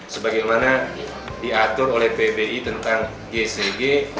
sebagai mana diatur oleh pbi tentang gcg